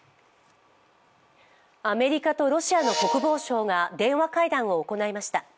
アメリカとロシアの国防相が電話会談を行いました。